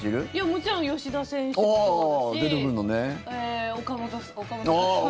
もちろん吉田選手もそうですし。